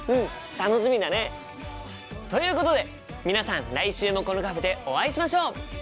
楽しみだね！ということで皆さん来週もこのカフェでお会いしましょう！